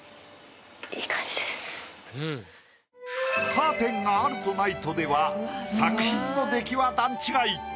・カーテンがあるとないとでは作品の出来は段違い。